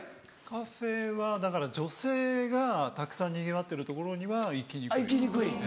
カフェはだから女性がたくさんにぎわってる所には行きにくい。